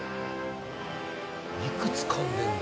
いくつかんでんだ？